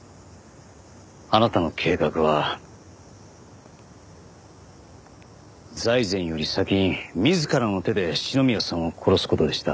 あなたの計画は財前より先に自らの手で篠宮さんを殺す事でした。